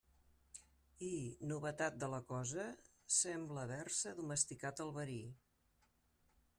I, novetat de la cosa, sembla haver-se domesticat el verí.